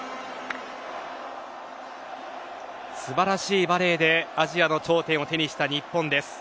素晴らしいバレーでアジアの頂点を手にした日本です。